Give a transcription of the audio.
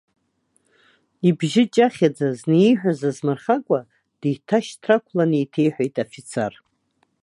Ибжьы ҷахьаӡа, зны ииҳәаз азмырхакәа, деиҭашьҭрақәлан еиҭеиҳәеит афицар.